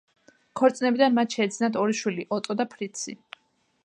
ქორწინებიდან მათ შეეძინათ ორი შვილი ოტო და ფრიცი.